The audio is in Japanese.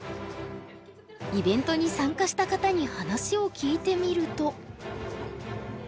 イベントに参加した方に話を聞いてみると。